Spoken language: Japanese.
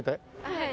はい。